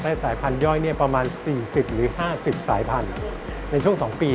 และสายพันธย่อยประมาณ๔๐หรือ๕๐สายพันธุ์ในช่วง๒ปี